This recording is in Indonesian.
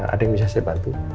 ada yang bisa saya bantu